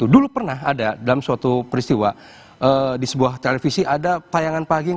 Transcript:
dulu pernah ada dalam suatu peristiwa di sebuah televisi ada tayangan pagi